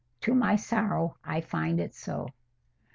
To my sorrow, I find it so."